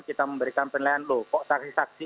kita memberikan penilaian loh kok saksi saksi